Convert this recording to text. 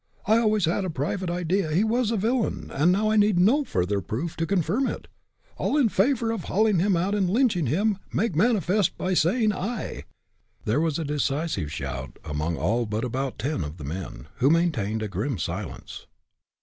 "I always had a private idea that he was a villain, and now I need no further proof to confirm it. All in favor of hauling him out and lynching him, make manifest by saying 'I.'" There was a decisive shout among all but about ten of the men, who maintained a grim silence.